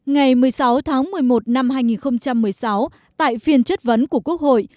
ngày một mươi sáu tháng một mươi một năm hai nghìn một mươi sáu tại phiên chất vấn của quốc hội